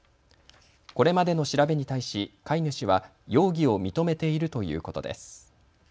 これまでの調べに対し飼い主は容疑を認めているということです。